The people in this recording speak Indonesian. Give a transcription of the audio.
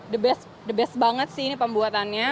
the best banget sih ini pembuatannya